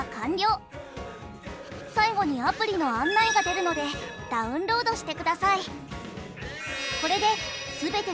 最後にアプリの案内が出るのでダウンロードしてください。